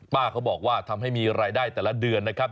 เขาบอกว่าทำให้มีรายได้แต่ละเดือนนะครับ